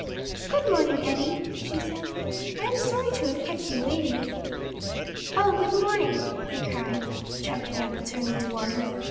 "Good morning, Eddie," she said. "I am sorry to have kept you waiting." "Oh, good morning," he cried, jumping up and turning toward her.